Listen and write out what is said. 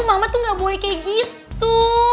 mama tuh gak boleh kayak gitu